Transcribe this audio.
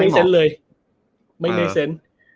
ไม่เหมาะเลยไม่ในเซนต์